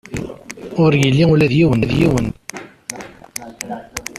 Ur yelli ula d yiwen da.